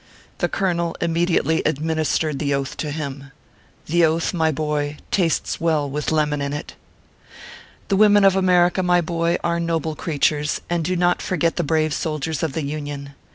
The colonel immediately administered the Oath to 9 98 ORPHEUS C. KERR PAPERS. him. The Oath, my boy, tastes well with lemon in it. The women of America, my boy, are noble crea tures, and do not forget the brave soldiers of the Union.